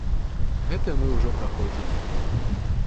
Гэта мы ўжо праходзілі.